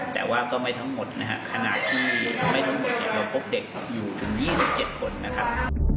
แต่ว่าก็ไม่ทั้งหมดนะฮะขณะที่ไม่ทั้งหมดเนี่ยเราพบเด็กอยู่ถึง๒๗คนนะครับ